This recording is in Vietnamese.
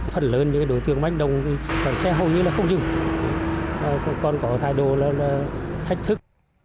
phần lớn những đối tượng manh động xe hầu như không dừng còn có thái độ thách thức